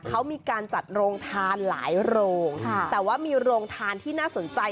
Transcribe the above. เขามีการจัดโรงทานหลายโรงแต่ว่ามีโรงทานที่น่าสนใจ